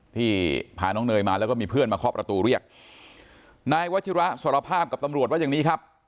ที่พาน้องเนยมาแล้วก็มีเพื่อนมาเคาะประตูเรียกนายวัชิระสารภาพกับตำรวจว่าอย่างนี้ครับ